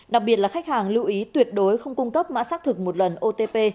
đặc biệt là khách hàng lưu ý tuyệt đối không cung cấp mã xác thực một lần otp